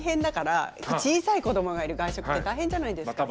小さい子どもがいる外食って大変じゃないですか。